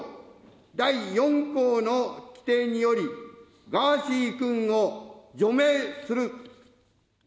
第４項の規定により、ガーシー君を除名する。